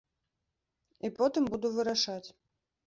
І потым буду вырашаць.